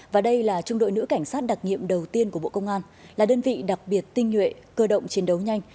và đây là trung đội nữ cảnh sát đặc nghiệm đầu tiên của bộ công an là đơn vị đặc biệt tinh nhuệ cơ động chiến đấu nhanh